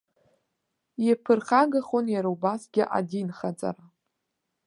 Иаԥырхагахон иара убасгьы адинхаҵара.